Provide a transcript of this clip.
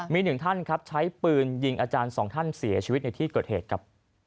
มีหนึ่งท่านครับใช้ปืนยิงอาจารย์สองท่านเสียชีวิตในที่เกิดเหตุครับ